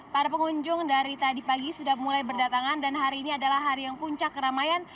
para pengunjung dari tadi pagi sudah mulai berdatangan dan hari ini adalah hari yang puncak keramaian